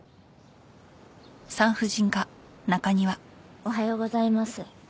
おはようございます。